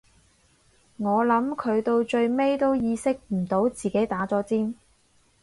我諗佢到最尾都意識唔到自己打咗尖